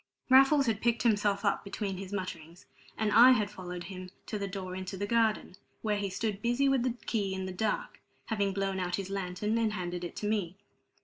Raffles had picked himself up between his mutterings, and I had followed him to the door into the garden, where he stood busy with the key in the dark, having blown out his lantern and handed it to me.